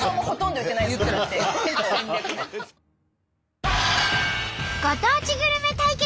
ご当地グルメ対決！